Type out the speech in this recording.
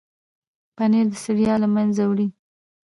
پنېر د ستړیا له منځه وړي.